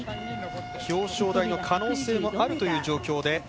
表彰台の可能性もあるという状況で。